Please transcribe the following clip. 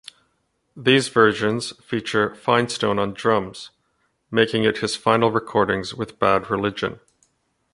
These versions feature Finestone on drums, making it his final recordings with Bad Religion.